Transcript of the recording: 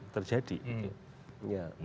verifikasi faktual itu belum terjadi